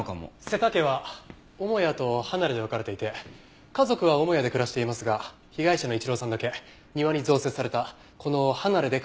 瀬田家は母屋と離れで分かれていて家族は母屋で暮らしていますが被害者の一郎さんだけ庭に増設されたこの離れで暮らしていたそうです。